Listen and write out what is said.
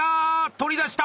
取り出した！